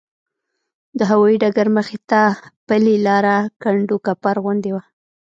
د هوایي ډګر مخې ته پلې لاره کنډوکپر غوندې وه.